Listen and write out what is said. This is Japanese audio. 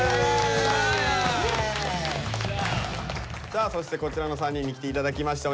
さあそしてこちらの３人に来て頂きました。